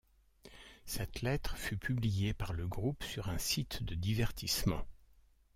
Cette lettre fut publiée par le groupe sur un site de divertissement.